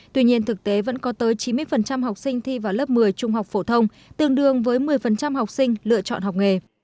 tuy nhiên thực tế vẫn có tới chín mươi học sinh thi vào lớp một mươi trung học phổ thông tương đương với một mươi học sinh lựa chọn học nghề